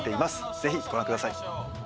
ぜひご覧ください。